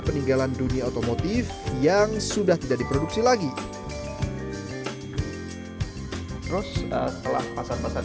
peninggalan dunia otomotif yang sudah tidak diproduksi lagi terus setelah pasar pasar